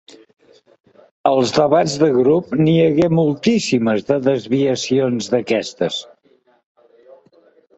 Als debats de grup n'hi hagué moltíssimes de desviacions d'aquestes.